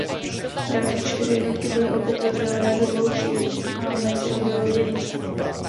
Další čtyři jednotky byly opět rozdělené do dvou tříd a mezi obě loděnice.